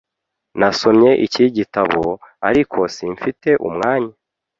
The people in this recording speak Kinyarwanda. Nasomye iki gitabo, ariko simfite umwanya.